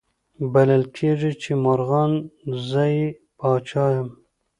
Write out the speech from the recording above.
بلل کیږي چي مرغان زه یې پاچا یم